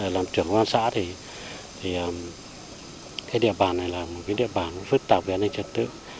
làm trưởng an xã thì địa bàn này là một địa bàn phức tạp về an ninh trật tự